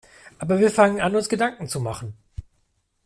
Aber wir fangen an, uns Gedanken zu machen.